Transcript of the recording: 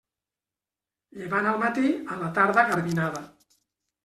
Llevant al matí, a la tarda garbinada.